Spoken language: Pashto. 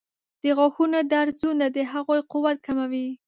د غاښونو درزونه د هغوی قوت کموي.